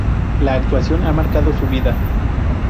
La actuación ha marcado su vida.